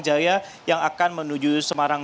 jadi ini adalah perjalanan dari lempuyungan ke lempuyungan